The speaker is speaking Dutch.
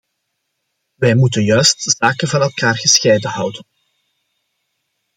Wij moeten juist zaken van elkaar gescheiden houden.